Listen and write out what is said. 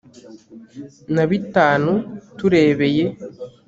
na bitanu - turebeye